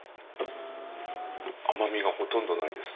甘みがほとんどないです。